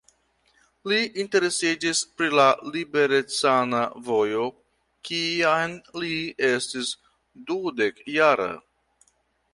Li interesiĝis pri la liberecana vojo, kiam li estis dudek-jara.